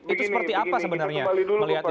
itu seperti apa sebenarnya melihat ini